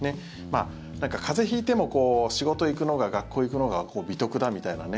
なんか風邪引いても仕事行くのが学校行くのが美徳だみたいなね